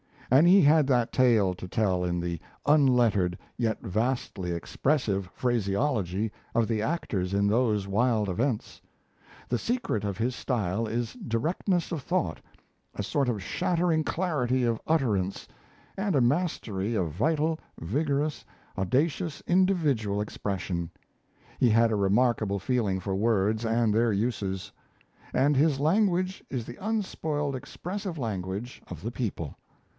And he had that tale to tell in the unlettered, yet vastly expressive, phraseology of the actors in those wild events. The secret of his style is directness of thought, a sort of shattering clarity of utterance, and a mastery of vital, vigorous, audacious individual expression. He had a remarkable feeling for words and their uses; and his language is the unspoiled, expressive language of the people.